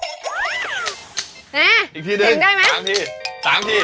เนี่ยเห็นได้มั้ยอีกทีหนึ่ง๓ที๓ที